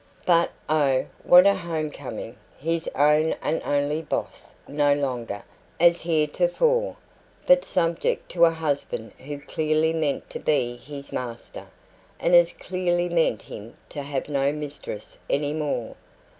But, oh, what a home coming! His own and only "boss" no longer, as heretofore, but subject to a husband who clearly meant to be his master, and as clearly meant him to have no mistress any more.